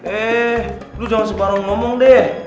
eh lo jangan separoh ngomong deh